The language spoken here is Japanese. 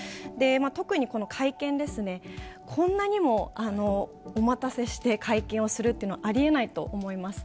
特にこの会見ですね、こんなにもお待たせして会見をするというのはありえないと思います。